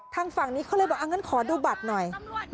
ทางฝั่งนี้เขาเลยบอกงั้นขอดูบัตรหน่อย